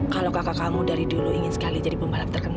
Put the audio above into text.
kalau kakak kamu dari dulu ingin sekali jadi pembalap terkenal